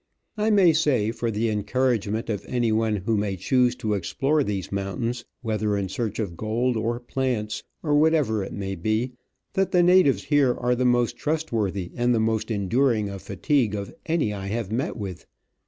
I may say, for the encouragement of anyone who may choose to explore these mountains, whether in search of gold, or plants, or whatever it may be, that the natives here are the most trustworthy and the most enduring of fatigue of any I have met with.